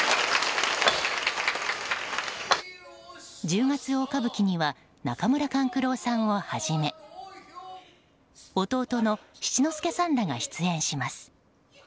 「十月大歌舞伎」には中村勘九郎さんをはじめ弟の七之助さんらが出演します。